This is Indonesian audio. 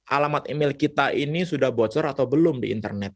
alamat email kita ini sudah bocor atau belum di internet